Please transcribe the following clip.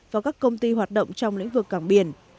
và các công ty hoạt động trong lĩnh vực cảng biển